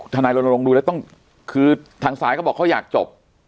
นายรณรงค์ดูแล้วต้องคือทางซ้ายเขาบอกเขาอยากจบ